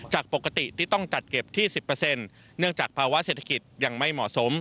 จากปกติที่ต้องจัดเก็บที่๑๐เนื่องจากภาวะเศรษฐกิจยังไม่เหมาะสม